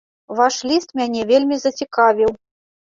Ваш ліст мяне вельмі зацікавіў.